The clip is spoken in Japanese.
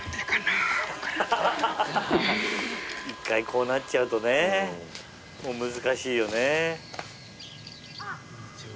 １回こうなっちゃうとね難しいよね。